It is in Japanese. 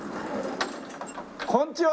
こんにちは！